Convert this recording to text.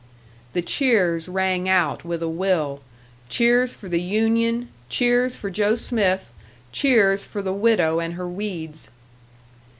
The cheers rang out with a will: cheers for the union, cheers for Joe Smith, cheers for the widow and her weeds!